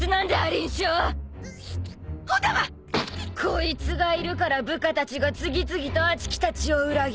こいつがいるから部下たちが次々とあちきたちを裏切る。